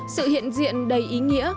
sự hiện diện đầy ý nghĩa